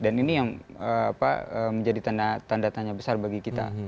dan ini yang menjadi tanda tanya besar bagi kita